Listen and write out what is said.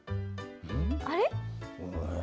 あれ？